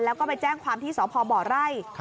แล้วก็ไปแจ้งความที่สพบไร่